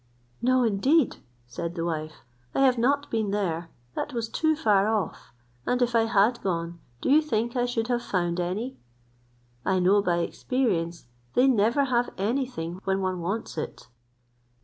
"No indeed," said the wife, "I have not been there; that was too far off, and if I had gone, do you think I should have found any? I know by experience they never have any thing when one wants it."